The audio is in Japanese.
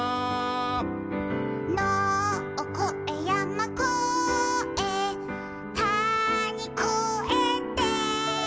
「のをこえやまこえたにこえて」